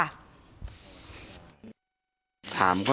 คุณผู้ชมค่ะ